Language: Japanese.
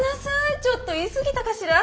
ちょっと言い過ぎたかしら？